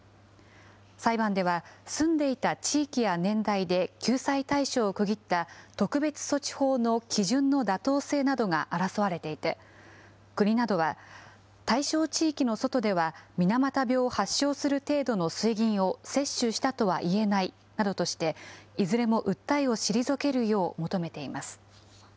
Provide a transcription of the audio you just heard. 裁判では、住んでいた地域や年代で救済対象を区切った特別措置法の基準の妥当性などが争われていて、国などは、対象地域の外では水俣病を発症する程度の水銀を摂取したとはいえないなどとして、いずれも訴えを退けるよう求めています。